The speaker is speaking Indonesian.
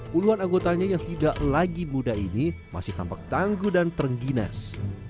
puluhan anggotanya yang tidak lagi muda ini masih tampak tangguh dan terengginas